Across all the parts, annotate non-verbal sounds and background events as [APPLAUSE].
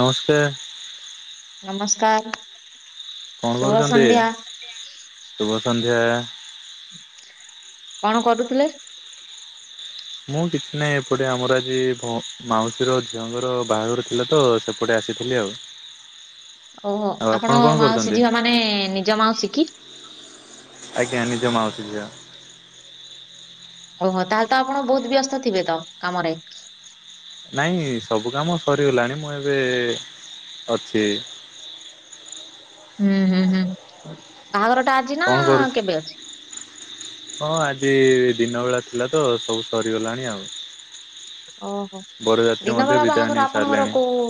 ନମସ୍କାର। ନମସ୍କାର। କଣ ଶୁଭ କରୁଛନ୍ତି? ସନ୍ଧ୍ୟା ଶୁଭସନ୍ଧ୍ୟା। କଣ କରୁଥିଲେ? ମୁଁ କିଛି ନାହିଁ ଏପଟେ ଆମର ଆଜି ଭ ମାଉସୀର ଝିଅଙ୍କର ବାହାଘର ଥିଲା ତ ସେ ଏପଟେ ଆସିଥିଲି ଆଉ। ଓହୋ। ଆଉ ଆପଣ କଣ ମାଉସି କରୁଛନ୍ତି? ଝିିଅ ମାନେ ନିଜ ମାଉସି କି? ଆଜ୍ଞା ନିଜ ମାଉସି ଝିଅ। ଓହୋ ତାହେଲେ ତ ଆପଣ ବହୁତ ବ୍ୟସ୍ତ ଥିବେତ କାମରେ? ନାଇଁ ସବୁ କାମ ସରିଗଲାଣି ମୁଁ ଏବେ ଅଛି। ହୁଁ ହୁଁ ହୁଁ ବାହାଘରଟା କଣ କରୁଚ? ହଁ ଆଜି ଦିନବେଳା ଥିଲା ତ ସବୁ ସରିଗଲାଣି ଆଉ। ଓହୋ ବରଯାତ୍ରୀ ମଧ୍ୟ ଦିନବେଳା ବିଦାୟ ବାହାଘର ନେଇ ଆପଣଙ୍କର ସାରିଲେଣି। କୋଉ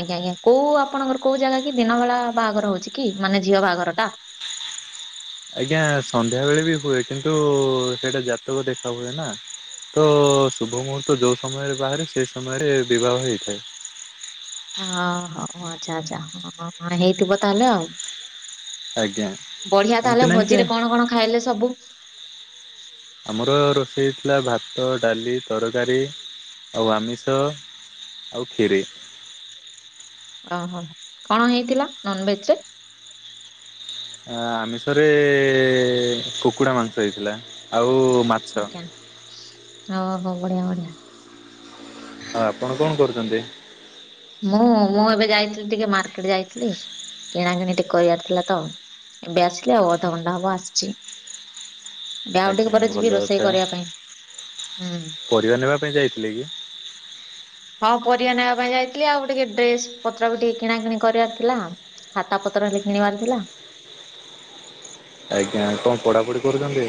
ଆଜ୍ଞା ଆଜ୍ଞା। କୋଉ ଆପଣଙ୍କର କୋଉ ଜାଗାକି ଦିନବେଳା ବାହାଘର ହଉଛିକି ମାନେ ଝିଅ ବାହାଘରଟା? [UNINTELLIGIBLE] ଆଜ୍ଞା ସନ୍ଧ୍ୟାବେଳେ ବି ହୁଏ କିନ୍ତୁ ସେଇଟା ଜାତକ ଦେଖାହୁଏ ନା। ତ ଶୁଭମୁହୂର୍ତ୍ତ ଯୋଉ ସମୟରେ ବାହାରେ ସେ ସମୟରେ ବିବାହ ହେଇଥାଏ। ହଁ ହଁ ହଉ ଆଚ୍ଛା ଆଚ୍ଛା ହଁଁ ହେଇଥିବ ତାହାଲେ ଆଉ। ଆଜ୍ଞା। ବଢିଆ ଏମିତି ତାହେଲେ ନାହିଁ କି ଭୋଜିରେ କଣ କଣ ଖାଇଲେ ସବୁ? ଆମର ରୋଷେଇ ଥିଲା ଭାତ ଡାଲି ତରକାରୀ ଆଉ ଆମିଷ ଆଉ ଖିରି। ଓହୋ କଣ ହେଇଥିଲା ନନଭେଜରେ? ଆମିଷରେ କୁକୁଡ଼ାମାଂସ ହେଇଥିଲା ଆଉ ଆଜ୍ଞା। ଓହୋ ବଢିଆ ବଢିଆ। ଆଉ ଆପଣ କଣ କରୁଛନ୍ତି? ମୁଁ ମୁଁ ଏବେ ଯାଇଥିଲି ଟିକେ ମାର୍କେଟ ଯାଇଥିଲି। କିଣାକିଣି ଟି କରିଆର ଥିଲା ତ ଏବେ ଆସିଲି ଆଉ ଅଧଘଣ୍ଟା ହବ ଆସିଛି। ଆଉଟିକୁ ଆଜ୍ଞା ପରେ ଭଲ ଯିବି ରୋଷେଇ କଥା କରିବା ପାଇଁ। ହୁଁ। ପରିବା ନେବାପାଇଁ ଯାଇଥିଲେ କି? ହଁ ପରିବା ନେବାପାଇଁ ଯାଇ ଆଉ ଟିକେ ଡ୍ରେସପତ୍ର ବି ଟିକେ କିଣାକିିଣି କରିବାର ଥିଲା। ଖାତାପତ୍ର ହେଲେ କିଣିବାର ଥିଲା। ଆଜ୍ଞା କଣ ପଢାପଢି କରୁଛନ୍ତି?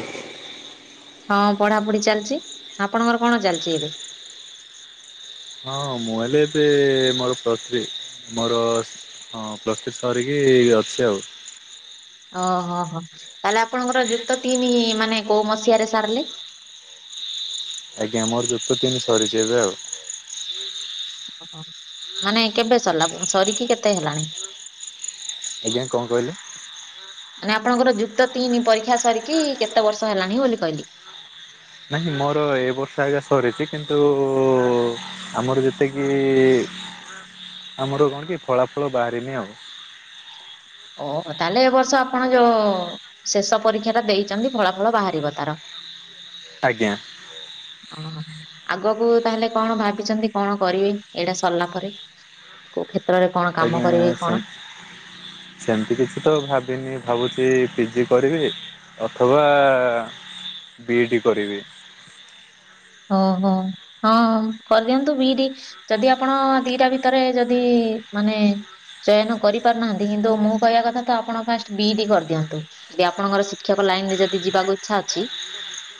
ହଁ ପଢାପଢି ଚାଲିଛି। ଆପଣଙ୍କର କଣ ଚାଲିଛି ଏବେ? ହଁ ମୁଁ ହେଲେ ଏବେ ମୋର ପତ୍ରୀ ମୋର ହଁ ପ୍ଲସ୍ ଥ୍ରୀ ସରିକି ଅଛି ଆଉ। ଓହୋହୋ ତାହାଲେ ଆପଣଙ୍କର ଯୁକ୍ତତିନି ମାନେ କୋଉ ମସିହାରେ ସାରିଲେ? ଆଜ୍ଞା ମୋର ଜୁକ୍ତତିନି ସରିଛି ଏବେ ଆଉ। ଓହୋ ମାନେ କେବେ ସରିଲା ସରିକି କେତେ ହେଲାଣି? ଆଜ୍ଞା କଣ କହିଲେ? ନାହିଁ ଆପଣଙ୍କର ଯୁକ୍ତ ତିନି ପରୀକ୍ଷା ସରିକି କେତେ ବର୍ଷ ହେଲାଣି ବୋଲି କହିଲି। ନାହିଁ ମୋର ଏ ବର୍ଷ ଆଜ୍ଞା ସରିଛି କିନ୍ତୁ ଆମର ଯେତିକି ଆମର କଣ କି ଫଳା ଫଳ ବାହାରିନି ଆଉ। ଓହୋ ତାହେଲେ ଏ ବର୍ଷ ଆପଣ ଯୋଉ ଶେଷ ପରୀକ୍ଷା ଟା ଦେଇଛନ୍ତି ଫଳା ଫଳ ବାହାରିବ ତାର। [INAUDIBLE] ଆଜ୍ଞା। ଓହୋ। ଆଗକୁ ତାହେଲେ କଣ ଭାବିଛନ୍ତି କଣ କରିବେ ଏଇଟା ସରିଲା ପରେ? କୋଉ କ୍ଷେତ୍ରରେ କଣ କାମ ଆଜ୍ଞା କରିବେ ସେ କଣ? ସେମିତି କିଛି ତ ଭାବିନି ଭାବୁଛି ପି ଜି କରିବି। ଅଥବା ବିଇ ଡି କରିବି। ଓହୋ ହଁ କରିଦିଅନ୍ତୁ ବି ଇ ଡି ଯଦି ଆପଣ ଦିଟା ଭିତରେ ଯଦି ମାନେ ଚୟନ କରିପାରୁନାହାନ୍ତି କିନ୍ତୁ ମୁଁ କହିବା କଥା ତ ଆପଣ ଫାଷ୍ଟ ବି ଇ ଡି କରିଦିଅନ୍ତୁ। ଯଦି ଆପଣଙ୍କର ଶିକ୍ଷକ ଲାଇନ ରେ ଯଦି ଯିବାକୁ ଇଚ୍ଛା ଅଛି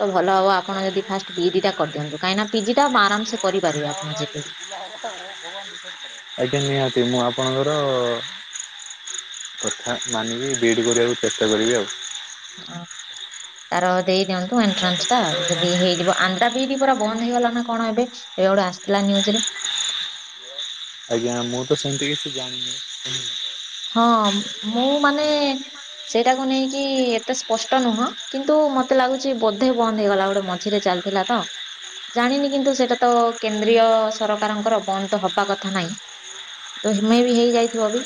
ତ ଭଲ ହବ ଆପଣ ଯଦି ଫାଷ୍ଟ ବି ଇ ଡି ଟା କରିଦିଅନ୍ତୁ କାହିଁକିନା ପି ଜି ଟା ଆରାମ ସେ କରିପାରିବେ ଆପଣ ଯେବେ ବି। [UNINTELLIGIBLE] ଆଜ୍ଞା ନିହାତି ମୁଁ ଆପଣଙ୍କର କଥା ମାନିବି ବି ଇ ଡି କରିବାକୁ ଚେଷ୍ଟା କରିବି ଆଉ। ହଁ ତାର ଦେଇ ଦିଅନ୍ତୁ ଏଣ୍ଟ୍ରାନ୍ସ ଟା ଯଦି ହେଇଯିବ ଆନ୍ଦ୍ରା ବି ଇ ଡି ପରା ବନ୍ଦ ହେଇଗଲା ନା କଣ ଏବେ କେବେ ଗୋଟେ ଆସିଥିଲା ନ୍ୟୁଜରେ। ଆଜ୍ଞା ମୁଁ ତ ସେମିତି କିଛି ଜାଣିନି। ହଁ ମୁଁ ମାନେ ସେଇଟାକୁ ନେଇକି ଏତେ ସ୍ପଷ୍ଟ ନୁହଁ କିନ୍ତୁ ମତେ ଲାଗୁଛି ବୋଧେ ବନ୍ଦ ହେଇଗଲା ଗୋଟେ ମଝିରେ ଚାଲିଥିଲା। ତ। ଜାଣିନି କିନ୍ତୁ ସେଇଟା ତ କେନ୍ଦ୍ରୀୟ ସରକାରଙ୍କର ବନ୍ଦ ହବା କଥା ନାହିଁ। ତ ହିମେ ବି ହେଇଯାଇଥିବ ବି।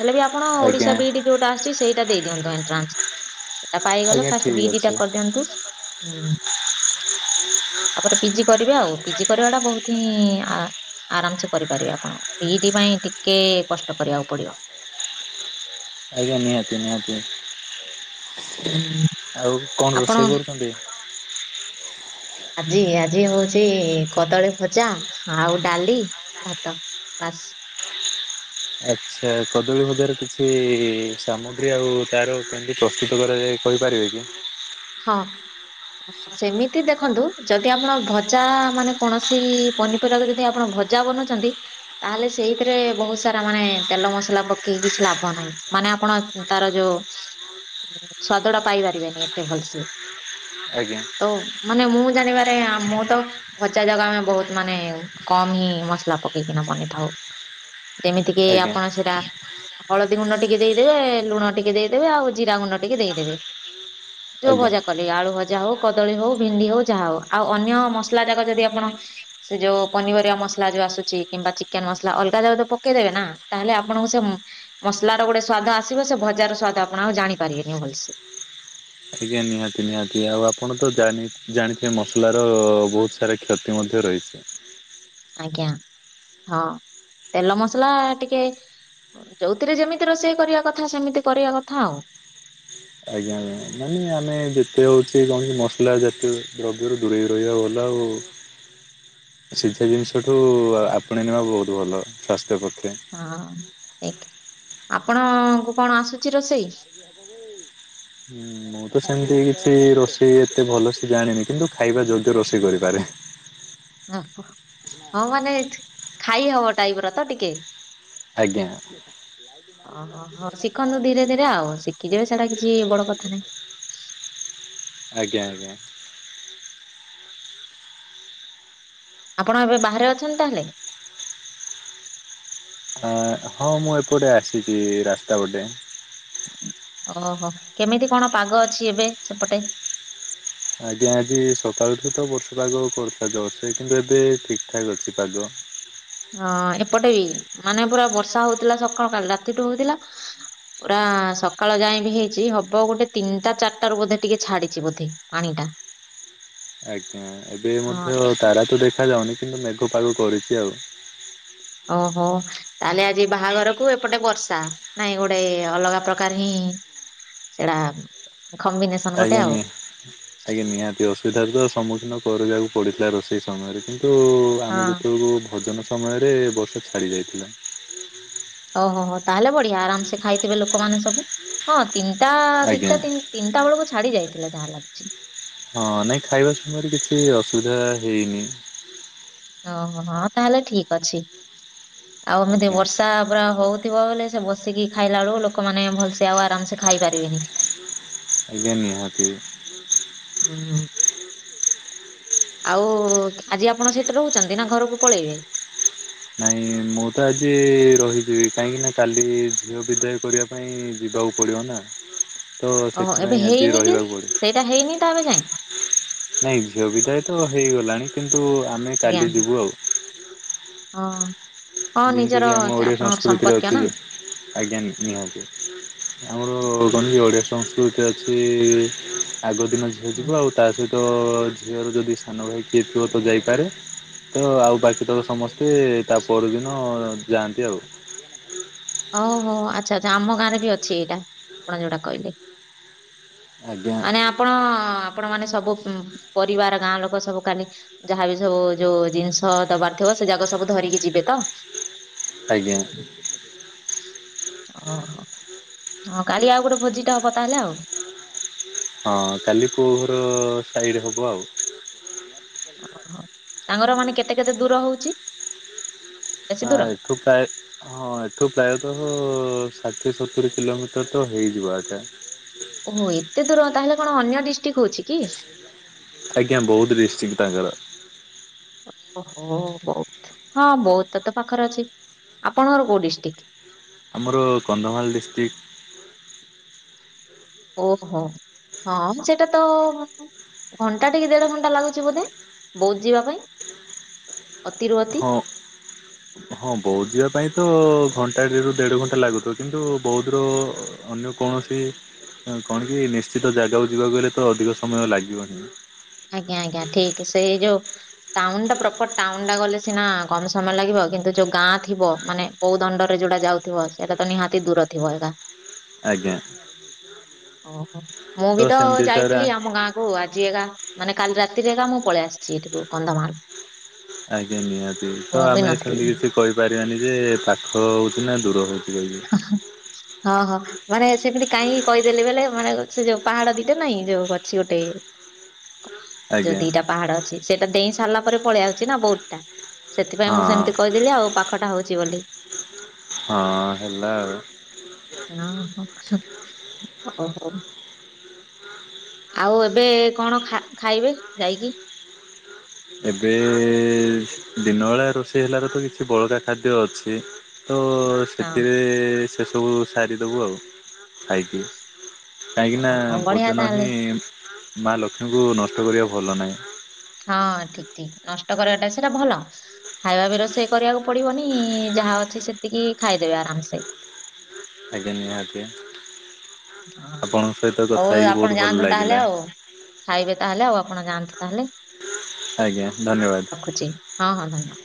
ହେଲେ ବି ଆପଣ ଆଜ୍ଞା ଓଡିଶା ବି ଇ ଡି ଯୋଉଟା ଆସଛି ସେଇଟା ଦେଇଦିଅନ୍ତୁ ଏଣ୍ଟ୍ରାନ୍ସ। ପାଇଗଲ ଆଜ୍ଞା ଫାଷ୍ଟ ଠିକ୍ ବି ଇ ଡି ଟା ଅଛି କରିଦିଅନ୍ତୁ। ହୁଁ ତାପରେ ପି ଜି କରିବେ ଆଉ ପି ଜି କରିବା ଟା ବହୁତ ହିଁ ଆ ଆରାମ ସେ କରିପାରିବେ ଆପଣ ବି ଇ ଡି ପାଇଁ ଟିକେ କଷ୍ଟ କରିବାକୁ ପଡିବ। ଆଜ୍ଞା ନିହାତି ନିହାତି। ହୁଁ। ଆଉ କଣ ଆପଣ ରୋଷେଇ କରୁଛନ୍ତି? ଆଜି ଆଜି ହଉଛି କଦଳୀ ଭଜା ଆଉ ଡାଲି ଭାତ ବାସ। [UNINTELLIGIBLE] ଆଚ୍ଛା କଦଳୀ ଭଜାର କିଛି ସାମଗ୍ରୀ ଆଉ ତାର କେ ମିତି ପ୍ରସ୍ତୁତ କରାଯାଏ କହିପାରିବେ କି? ହଁ। ସେମିତି ଦେଖନ୍ତୁ ଯଦି ଆପଣ ଭଜା ମାନେ କୌଣସି ପନିପରିବାକୁ ଯଦି ଆପଣ ଭଜା ବନଉଛନ୍ତି ତାହେଲେ ସେଇଥିରେ ବହୁତ ସାରା ମାନେ ତେଲ ମସଲା ପକେଇକି କିଛି ଲାଭ ନାହିଁ ମାନେ ଆପଣ ତାର ଯୋଉ ସ୍ୱାଦ ଟା ପାଇ ପାରିବେନି ଏତେ ଭଲସେ। ଆଜ୍ଞା। ତ ମାନେ ମୁଁ ଜାଣିବାରେ ମୁଁ ତ ଭଜା ଯାକ ଆମେ ବହୁତ ମାନେ କମ ହିଁ ମସଲା ପକେଇକିନା ବନେଇଥାଉ। ଯେମିତି କିି ଆଜ୍ଞା ଆପଣ ସେଟା ହଳଦୀ ଗୁଣ୍ଡ ଟିକେ ଦେଇଦେବେ, ଲୁଣ ଟିକେ ଦେଇଦେବେ ଆଉ ଜିରା ଗୁଣ୍ଡ ଟିକେ ଦେଇଦେବେ। ଯୋଉ ଆଜ୍ଞା। ଭଜା କଲେ ଆଳୁ ଭଜା ହଉ, କଦଳୀ ହଉ, ଭେଣ୍ଡି ହଉ ଯାହା ହଉ ଆଉ ଅନ୍ୟ ମସଲା ଯାକ ଯଦି ଆପଣ ସେ ଯୋଉ ପନିପରିବା ମସଲା ଯୋଉ ଆସୁଛି କିମ୍ବା ଚିକେନ ମସଲା ଅଲଗା ଯାଉ ପକେଇଦେବେ ନା ତାହେଲେ ଆପଣଙ୍କୁ ସେ ମସଲାର ଗୋଟେ ସ୍ଵାଦ ଆସିବ ସେ ଭଜାର ସ୍ଵାଦ ଆପଣ ଆଉ ଜାଣି ପାରିବେନି ଭଲସେ। ଆଜ୍ଞା ନିହାତି ନିହାତି ଆଉ ଆପଣ ତ ଜାନି ଜାଣିଥିବେ ମସଲା ର ବହୁତ ସାରା କ୍ଷତି ମଧ୍ୟ ରହିଛି। ଆଜ୍ଞା ହଁ ତେଲ ମସଲା ଟିକେ, ଯୋଉଥିରେ ଯେମିତି ରୋଷେଇ କରିବା କଥା ସେମିତି କରିବା କଥା ଆଉ। ଆଜ୍ଞା ଆଜ୍ଞା ମାନେ ଆମେ ଯେତେ ହଉଛି କଣ କି ମସଲା ଜାତୀୟ ଦ୍ରବ୍ୟରୁ ଦୂରେଇକି ରହିବା ଭଲ ଆଉ। [INAUDIBLE] ସିଜା ଜିନିଷଠୁ ଆ ଆପଣେଇ ନେବା ବହୁତ ଭଲ ସ୍ୱାସ୍ଥ୍ୟ ପକ୍ଷେ। ହଁ ଏକ ଆପଣଙ୍କୁ କଣ ଆସୁଛି ରୋଷେଇ? ମୁଁ ତ ସେମିତି କିଛି ରୋଷେଇ ଏତେ ଭଲ ସେ ଜାଣିନି କିନ୍ତୁ ଖାଇବା ଯୋଗ୍ୟ ରୋଷେଇ କରିପାରେ। [UNINTELLIGIBLE] ଓୋ ହଁ ମାନେ ଖାଇ ହବ ଟାଇପ ର ତ ଟିକେ। ଆଜ୍ଞା। ଓହୋ ହ ଶିଖନ୍ତୁ ଧୀରେ ଧୀରେ ଆଉ ଶିଖିଯିବେ ସେଟା କିଛି ବଡ କଥା ନାହିଁ। ଆଜ୍ଞା। ଆପଣ ଏବେ ବାହାରେ ଅଛନ୍ତି ତାହେଲେ। ଆ ହଁ ମୁଁ ଏପଟେ ଆସିଛି ରାସ୍ତା ପଟେ। ଓହୋ କେମିତି କଣ ପାଗ ଅଛି ଏବେ ସେପଟେ? ଆଜ୍ଞା ଆଜି ସକାଳଠୁ ତ ବର୍ଷ ପାଗ କରୁଥା ଜର ସେ କିନ୍ତୁ ଏବେ ଠିକଠାକ ଅଛି ପାଗ। ହଁ ଏପଟେ ବି ମାନେ ପୁରା ବର୍ଷା ହଉଥିଲା ସକାଳ କାଲି ରାତିଠୁ ହଉଥିଲା। ପୁରା ସକାଳ ଯାଇଁ ବି ହେଇଛି ହବ ଗୋଟେ ତିନିଟା ଚାରିଟା ର ବୋଧେ ଟିକେ ଛାଡିଚଛି ବୋଧେ। ପାଣିଟା। ଆଜ୍ଞା ଏବେ ମଧ୍ୟ ତାରା ତ ଦେଖା ଯାଉନି କିନ୍ତୁ ମେଘ ପାଗ କରିଛି ଆଉ। ଓହୋ ତାହେଲେ ଆଜି ବାହାଘରକୁ ଏପଟେ ବର୍ଷା। ନାଇଁ ଗୋଟେ ଅଲଗା ପ୍ରକାର ହିଁ ସେଟା। କମ୍ବିନେସନ ଗୋଟେ ଆଜ୍ଞ ଆଉ। ନି ଆ। ଆଜ୍ଞା ନିହାତି ଅସୁବିଧାରେ ତ ସମ୍ମୁଖୀନ କରିବାକୁ ପଡିଥିଲା ରୋଷେଇ ସମୟରେ କିନ୍ତୁ ତ ହଁ। ଆମେ ଯେତେବେଳକୁ ଭୋଜନ ସମୟରେ ବର୍ଷା ଛାଡ଼ି ଯାଇଥିଲା। ଓହୋ ହୋ ତାହେଲେ ବଢିଆ ଆରାମସେ ଖାଇଥିବେ ଲୋକମାନେ ସବୁ ହଁ ତିନିଟା ଆଜ୍ଞା ଦିଟା ତିନି ତିନିଟା ବେଳକୁ ଛାଡି ଯାଇଥିଲା ଯାହା ଲାଗୁଛି। ହଁ ନାଇଁ ଖାଇବା ସମୟରେ କିଛି ଅସୁବିଧା ହେଇନି। ଓହୋ ହ ତାହେଲେ ଠିକ ଅଛି, ଆଉ ଏମିତି ଆଜ୍ଞା ବର୍ଷା ପୁରା ହଉଥିବ ବଲେ ସେ ବସିକି ଖାଇଲା ବେଳକୁ ଲୋକମାନେ ଭଲସେ ଆଉ ଆରାମସ ଖାଇ ପାରିବେନି। ଆଜ୍ଞା ନିହାତି। ହୁଁ। ଆଉ ଆଜି ଆପଣ ସେଠି ରହୁଛନ୍ତି ନା ଘରକୁ ପଳେଇବେ। ନାଇଁ ମୁଁ ତ ଆଜି ରହିଯିବି କାହିଁକି ନା କାଲି ଝିଅ ବିଦା ପାଇଁ ଯିବାକୁ ପଡ଼ିବ ନା ତ ସେଥିପାଇଁ ଆଜି ରହିବାକୁ ପଡ଼ିବ। ତା ହେଇନି ତା ଏବେ ଯାଏଁ। ନାଇଁ ଝିଅ ବିଦାୟ ତ ହେଇଗଲାଣି କିନ୍ତୁ ଆମେ ଆଜ୍ଞା। କାଲି ଯିବୁ ଆଉ। ହଁ ହଁ। ନିଜର ଯେମିତିକି ଆମ ଚା- ଓଡ଼ିଆ ଆପଣଙ୍କର ସଂସ୍କୃତିରେ ସମ୍ପର୍କୀୟ ଅଛି ନା ଯେ ଆମର ଅ, [INAUDIBLE] ଓଡିଆ ସଂସ୍କୃତି ଅଛି ଆଗ ଦିନ ଝିଅ ହୁଁ ଯିବ ଆଉ ତା ସହିତ ଝିଅର ଯଦି ସାନ ଭାଇ କିଏ ଥିବ ତ ଯାଇପାରେ ତ ଆଉ ବାକି ତକ ସମସ୍ତେ ତା ପରଦିନ ଯାଆନ୍ତି ଆଉ। ଅହୋ ଆଚ୍ଛା ଆଚ୍ଛା ଆମ ଗାଁରେ ବି ଅଛି ଏଇଟା ଆପଣ ଯୋଉଟା କହିଲେ। ଆଜ୍ଞା ମାନେ ଆପଣ ଆପଣ ମାନେ ସବୁ ଉଁ ପରିବାର ଗାଁ ଲୋକ ସବୁ କାଲି ଯାହା ବିି ସବୁ ଯୋଉ ଜିନିଷ ଦବାର ଥିବ ସେ ଯାକ ସବୁ ଧରିକି ଯିବେ ତ ଆଜ୍ଞା। କାଲି ଆଉ ଗୋଟେ ଭୋଜି ଟା ହବ ତାହେଲେ ଆଉ ହଁ କାଲି ପୁଅ ଘର ସାଇଡ୍ ହବ ଆଉ। ତାଙ୍କର ମାନେ କେତେ କେତେ ଦୂର ହଉଛି? ବେଶୀ ହଁ ଦୂର ଏଠୁ ପ୍ରାୟେ ହଁ ଏଠୁ ପ୍ରାୟତଃ ଷାଠିଏ ସତୁରି କିଲୋମିଟର ତ ହେଇଯିବା କଥା। ଓହୋ ଏତେ ଦୂର ତାହେଲେ କଣ ଅନ୍ୟ ଡିଷ୍ଟ୍ରିକ୍ ହଉଚି କି? ଆଜ୍ଞା ବଉଦ୍ ଡିଷ୍ଟିକ୍ ତାଙ୍କର। ଓହୋ ବଉଦ୍ ଆମର କନ୍ଧମାଳ ଡିଷ୍ଟ୍ରିକ୍। ହଁ ସେଇଟାତ ଘଣ୍ଟା ଟି କି ଦେଢ ଘଣ୍ଟା ଲାଗୁଚି ବୋଧେ ବଉଦ୍ ଯିବା ପାଇଁ ଅତିରୁୁ ଅତି ହଁ ହଁ ବଉଦ୍ ଯିବା ପାଇଁ ତ ଘଣ୍ଟା ଟି ରୁ ଦେଢ ଘଣ୍ଟା ଲାଗୁଥିବ କିନ୍ତୁ ବଉଦ୍ ର ଅନ୍ୟ କୌଣସି କଣ କି ନିଶ୍ଚିତ ଜାଗାକୁ ଯିବାକୁ ହେଲେ ତ ଅଧିକ ସମୟ ଲାଗିବନି। ଆଜ୍ଞା ଆଜ୍ଞା ଠିକ୍ ସେଇ ଯୋ ଟାଉନ୍ ଟା ପ୍ରପର୍ ଟାଉନ୍ ଟା ଗଲେ ସିନା କମ୍ ସମୟ ଲାଗିବ କିନ୍ତୁ ଯୋଉ ଗାଁ ଥିବ ମାନେ କୋଉ ଦଣ୍ଡ ରେ ଯୋଡା ଯାଉଥିବ ସେଟା ତ ନିହାତି ଦୂର ଥିବ ଏରା। ଆଜ୍ଞା। ଓହୋ। ତ ମାନେ ସେମିତି ହିସାବରେ କାଲି ରାତିରେ ଆଗା ମୁଁ ପଳେଇ ଆସିଛି ଏଠିକୁ କନ୍ଧମାଳ। ଆଜ୍ଞା ନିହାତି ତ ମୁଁ ବି ଆମେ ନଥିଲି ସେମିତି କିଛି କହି ପାରିବାନି ଯେ ପାଖ ହଉଚି ନାଁ ଦୂର ହଉଚି ବେଲି। ହଁ ହଁ। ମାନେ ସେମିତି କାହିଁକି କହିଦେଲେ ବୋଲେ ମାନେ ସେ ଯୋଉ ପାହାଡ ଦିଟା ନାଇଁ ଯୋଉ ଗଛି ଗୋଟେ ଯୋଉ ଆଜ୍ଞା ଦିଟା ପାହାଡ ଅଛି ସେଇଟା ଦେଇଁ ସାରିଲା ପରେ ପଳେଇ ଆଉଚି ନା ବଉଦ୍ ଟା ସେଥିପାଇଁ ମୁଁ ହଁ ସେମିତି କହିଦେଲି ଆଉ ପାଖଟା ହଉଛି ବୋଲି। ହଁ ହେଲା ଆଉ। ହଁ ହଁ ହଉ ହଉ। ଆଉ ଏବେ କଣ ଖା ଖାଇବେ ଯାଇକି? ଏବେ ଦିନବେଳା ରୋଷେଇ ହେଲାରୁ ତ କିଛି ବଳକା ଖାଦ୍ୟ ଅଛି ତ ସେଥିରେ ସେସବୁ ସାରିଦବୁ ଆଉ ଖାଇକି। କାହିଁକି ନା ହଁ ଓ ବଢିଆ ଭୋଜନ ତାହେଲେ ହିଁ ମା ଲକ୍ଷ୍ମୀଙ୍କୁ ନଷ୍ଟ କରିବା ଭଲ ନାହିଁ। ହଁ ଠିକ୍ ଠିକ୍ ନଷ୍ଟ କରିବାଟା ସେଟା ଭଲ। ଖାଇବା ବି ରୋଷେଇ କରିବାକୁ ପଡିବନି ଯାହା ଅଛି ସେତିକି ଖାଇଦେବେ ଆରାମ୍ ସେ। ଆଜ୍ଞା ନିହାତି। ଆପଣଙ୍କ ସହିତ ହଉ କଥା ହେଇକି ବହୁତ ଆପଣ ଭଲ ଯାଆନ୍ତୁ ଲାଗିଲା ତାହେଲେ ଆଉ। ଖାଇବେ ତାହେଲେ ଆଉ ଆପଣ ଯାଆନ୍ତୁ ତାହେଲେ ଆଜ୍ଞା ଧନ୍ୟବାଦ ରଖୁଚି ହିଁ ହଁ ଧନ୍ୟବା